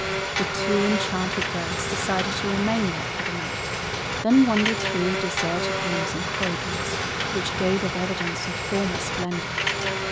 The two enchanted birds decided to remain there for the night; then wandered through the deserted rooms and corridors, which gave of evidence of former splendor.